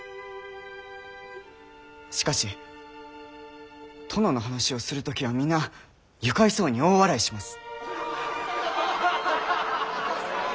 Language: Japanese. しかし殿の話をする時は皆愉快そうに大笑いします。